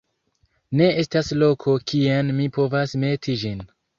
Ne estas loko kien mi povas meti ĝin!